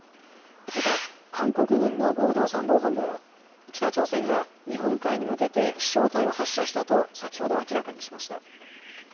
また韓国軍の合同参謀本部は北朝鮮が日本海に向けて飛しょう体を発射したと先ほど明らかにしました。